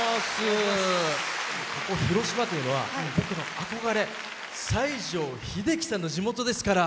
ここ広島というのは僕の憧れ西城秀樹さんの地元ですから。